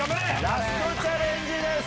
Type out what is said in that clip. ラストチャレンジです。